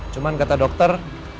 cuman kata dokter